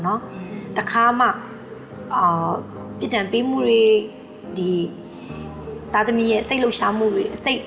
แต่ถ้าคุณอย่างเธออยากมาที่มุรี